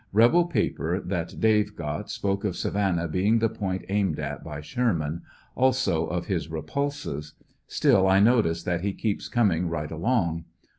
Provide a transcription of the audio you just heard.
Rebel paper that Dave got spoke of Savannah being the point aimed at by Sherman, also of his repulses ; still I notice that he keeps coming right along.